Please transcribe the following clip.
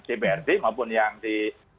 dprd maupun yang di